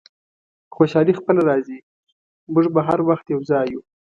خوشحالي خپله راځي، موږ به هر وخت یو ځای یو.